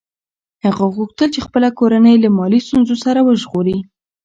هغه غوښتل چې خپله کورنۍ له مالي ستونزو څخه وژغوري.